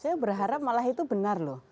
saya berharap malah itu benar loh